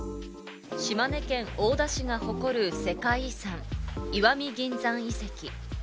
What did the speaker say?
島根県大田市が誇る世界遺産・石見銀山遺跡。